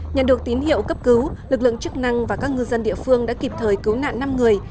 nhận được tín hiệu cấp cứu lực lượng chức năng và các ngư dân địa phương đã kịp thời cứu nạn năm người